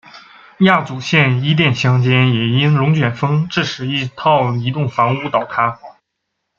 亚祖县伊甸乡间也因龙卷风致使一套移动房屋倒塌。